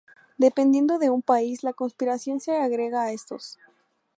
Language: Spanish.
Dependiendo de un país, la conspiración se agrega a estos.